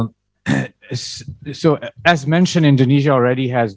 seperti yang sudah saya katakan indonesia sudah memiliki